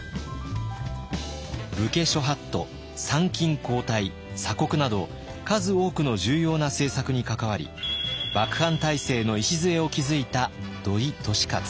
武家諸法度参勤交代鎖国など数多くの重要な政策に関わり幕藩体制の礎を築いた土井利勝。